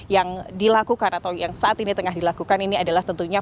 yang dilakukan atau yang saat ini tengah dilakukan ini adalah tentunya